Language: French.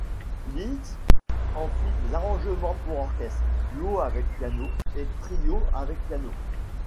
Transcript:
Liszt en fit des arrangements pour orchestre, duo avec piano et trios avec piano.